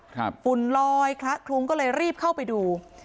ฝุ่นลอยคละคลุ้งก็เลยรีบเข้าไปดู